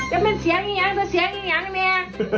แล้วมันเสียงอย่างนี้ยังมันเสียงอย่างนี้ยังแม่